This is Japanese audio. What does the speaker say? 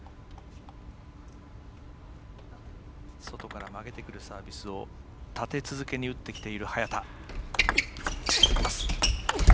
外から曲げてくるサービスを立て続けに打ってきている早田。